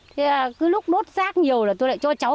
thế cứ lúc đốt rác nhiều là tôi lại cho cháu